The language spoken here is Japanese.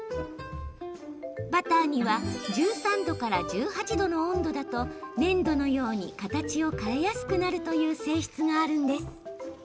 バターには１３度から１８度の温度だと粘土のように形を変えやすくなるという性質があるんです。